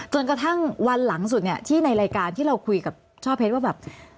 จนกระทั่งวันหลังสุดเนี่ยที่ในรายการที่เราคุยกับช่อเพชรว่าแบบ